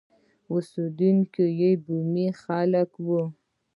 اوسېدونکي یې بومي خلک وو.